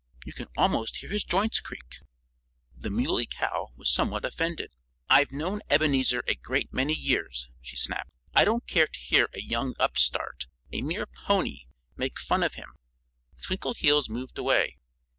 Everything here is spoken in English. You can almost hear his joints creak." The Muley Cow was somewhat offended. "I've known Ebenezer a great many years," she snapped. "I don't care to hear a young upstart a mere pony make fun of him." Twinkleheels moved away.